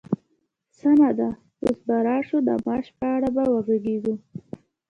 سمه ده، اوس به راشو د معاش په اړه به وغږيږو!